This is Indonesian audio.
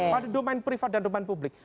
pada domain privat dan domain publik